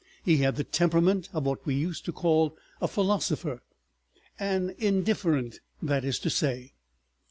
He had the temperament of what we used to call a philosopher—an indifferent, that is to say.